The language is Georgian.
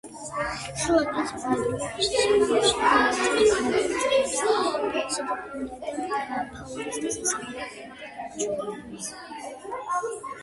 შრი-ლანკის ბუნებრივი ღირსშესანიშნაობები მოიცავს ბუნებრივ ძეგლებს, ფლორასა და ფაუნას და სასიამოვნო კლიმატით გამორჩეულ ადგილებს.